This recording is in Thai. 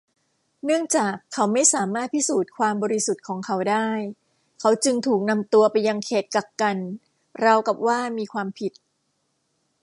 เนื่องจากเขาไม่สามารถพิสูจน์ความบริสุทธิ์ของเขาได้เขาจึงถูกนำตัวไปยังเขตกักกันราวกับว่ามีความผิด